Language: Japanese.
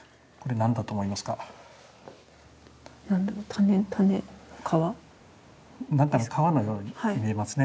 何かの皮のように見えますね。